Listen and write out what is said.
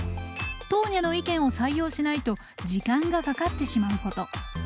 トーニャの意見を採用しないと時間がかかってしまうこと。